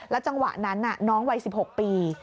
จังหวะนั้นน้องวัย๑๖ปี